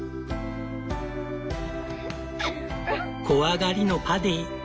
怖がりのパディ。